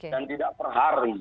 dan tidak per hari